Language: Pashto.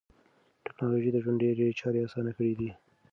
ټکنالوژي د ژوند ډېری چارې اسانه کړې دي.